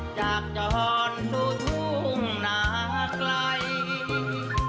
จากจอนทู่ทุ่งหนาไกล